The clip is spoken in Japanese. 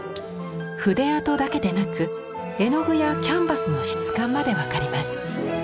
筆跡だけでなく絵の具やキャンバスの質感まで分かります。